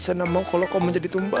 saya enak mau kalau kau menjadi tumba